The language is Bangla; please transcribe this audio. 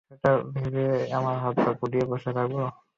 সেটা ভেবে কি আমরা হাত পা গুটিয়ে বসে থাকবো?